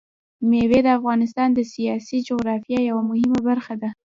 مېوې د افغانستان د سیاسي جغرافیه یوه مهمه برخه ده.